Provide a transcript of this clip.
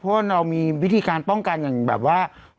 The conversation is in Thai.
เพราะว่าเรามีวิธีการป้องกันอย่างแบบว่า